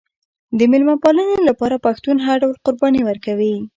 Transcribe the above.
د میلمه پالنې لپاره پښتون هر ډول قرباني ورکوي.